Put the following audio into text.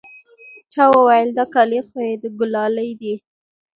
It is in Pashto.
چا وويل دا كالي خو يې د ګلالي دي.